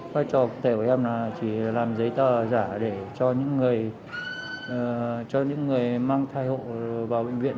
phát trò của em là chỉ làm giấy tờ giả để cho những người mang thai hộ vào bệnh viện